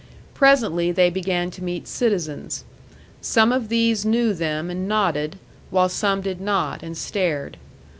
Presently they began to meet citizens. Some of these knew them and nodded, while some did not, and stared.